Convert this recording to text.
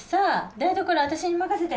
台所は私に任せて！